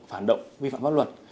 phản động vi phạm pháp luật